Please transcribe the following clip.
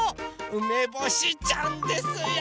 うめぼしちゃんですよ！